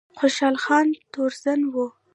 خوشحال خان تورزن و